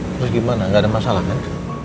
terus gimana gak ada masalah kan